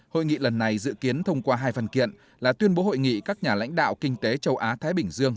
hội nghị lần này dự kiến thông qua hai phần kiện là tuyên bố hội nghị các nhà lãnh đạo kinh tế châu á thái bình dương